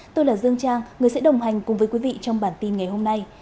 tôi là dương trang người sẽ đồng hành cùng với quý vị trong bản tin ngày hôm nay